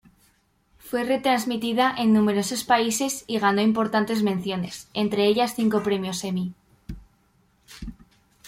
Fue retransmitida en numerosos países y ganó importantes menciones, entre ellas cinco premios Emmy.